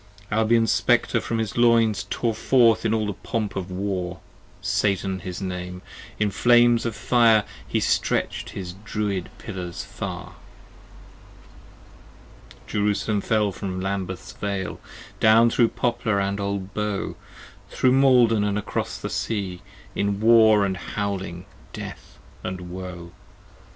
Albion's Spectre from his Loins, 55 Tore forth in all the pomp of War: Satan his name: in flames of fire He stretch'd his Druid Pillars far. Jerusalem fell from Lambeth's Vale, Down thro' Poplar & Old Bow; 60 Thro' Maiden & acros the Sea, In War & howling, death & woe.